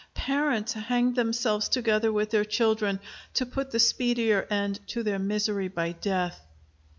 Parents hanged themselves together with their children, to put the speedier end to their misery by death.